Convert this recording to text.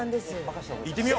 いってみよう。